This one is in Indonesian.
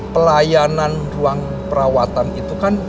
pelayanan ruang perawatan itu kan